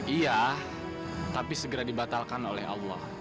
iya tapi segera dibatalkan oleh allah